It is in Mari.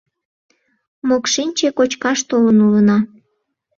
Мокшинче кочкаш толын улына.